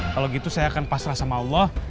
kalau gitu saya akan pasrah sama allah